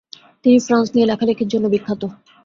তিনি ফ্রান্স নিয়ে লেখালিখির জন্য বিখ্যাত।